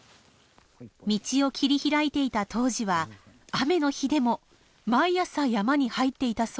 道を切り拓いていた当時は雨の日でも毎朝山に入っていたそう。